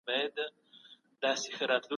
که خلګ يو ځای کار وکړي، پرمختګ کېږي.